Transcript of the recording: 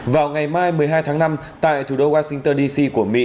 vào ngày mai một mươi hai tháng năm tại thủ đô washington dc của mỹ